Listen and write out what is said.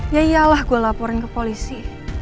ya iyalah gue laporin ke polisi